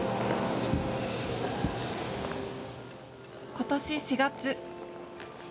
ことし４月。